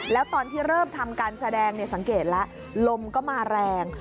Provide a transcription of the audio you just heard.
แล้วตอนที่เริ่มทำการแสดงสังเกตแล้วลมก็มาแรง